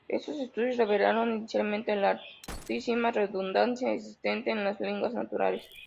Estos estudios revelaron inicialmente la altísima redundancia existente en las lenguas naturales.